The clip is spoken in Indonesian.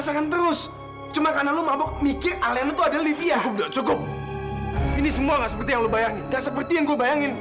sampai jumpa di video selanjutnya